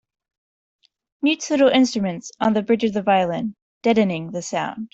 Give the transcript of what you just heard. Mutes little instruments on the bridge of the violin, deadening the sound.